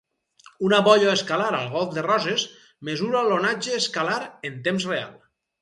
Una boia escalar al Golf de Roses mesura l'onatge escalar en temps real.